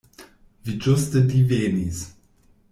Vi ĝuste divenis.